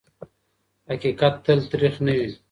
حقیقت تل تریخ نه وي.